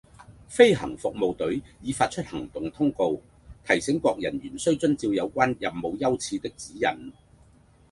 飛行服務隊已發出行動通告，提醒各人員須遵照有關任務優次的指引